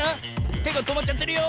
てがとまっちゃってるよ。